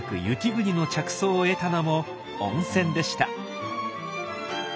「雪国」の着想を得たのも温泉でした。